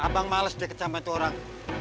abang males deh kecamet orang